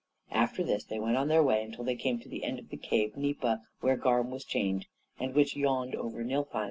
After this they went on their way until they came to the end of the cave Gnipa, where Garm was chained, and which yawned over Niflheim.